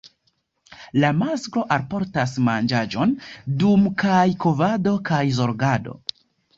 La masklo alportas manĝaĵon dum kaj kovado kaj zorgado.